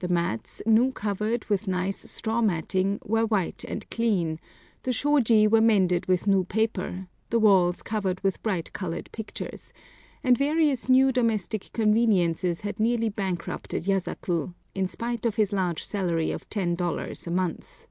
The mats, new covered with nice straw matting, were white and clean; the shoji were mended with new paper; the walls covered with bright colored pictures; and various new domestic conveniences had nearly bankrupted Yasaku, in spite of his large salary of ten dollars a month.